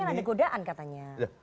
tadi kan ada godaan katanya